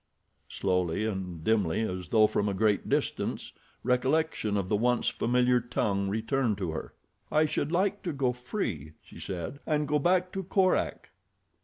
Slowly and dimly as though from a great distance recollection of the once familiar tongue returned to her. "I should like to go free," she said, "and go back to Korak."